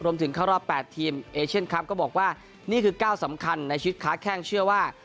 เข้ารอบ๘ทีมเอเชียนคลับก็บอกว่านี่คือก้าวสำคัญในชีวิตค้าแข้งเชื่อว่า